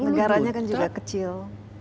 negaranya kan juga kecil